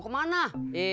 kan yang siapa